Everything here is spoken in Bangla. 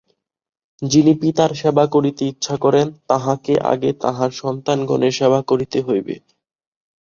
যিনি পিতার সেবা করিতে ইচ্ছা করেন, তাঁহাকে আগে তাঁহার সন্তানগণের সেবা করিতে হইবে।